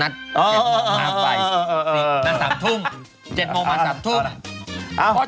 นัดเจ็ดโมงมา๓ทุ่มนัดเจ็ดโมงมา๓ทุ่ม